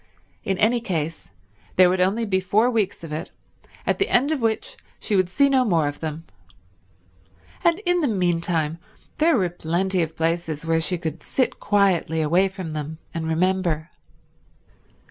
In any case there would only be four weeks of it, at the end of which she would see no more of them. And in the meanwhile there were plenty of places where she could sit quietly away from them and remember.